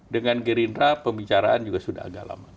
dengan gerindra pembicaraan juga sudah agak lama